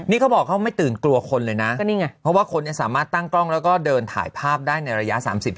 นี้ก็บอกว่าไม่ตื่นกลัวคนเลยนะตังกล้องแล้วก็เดินถ่ายภาพได้ในระยะ๓๐